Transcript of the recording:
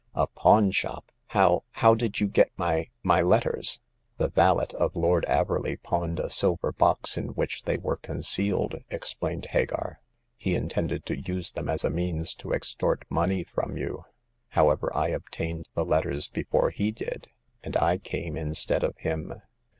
A pawn shop ! How— how did you get my — my letters ?"The valet of Lord Averley pawned a silver box in which they were concealed," explained Hagar. " He intended to use them as a means to extort money from you. However, I obtained the letters before he did, and I came instead of him."